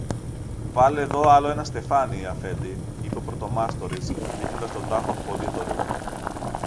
Βάλε δω άλλο ένα στεφάνι, Αφέντη, είπε ο πρωτομάστορης, δείχνοντας τον τάφο του Πολύδωρου.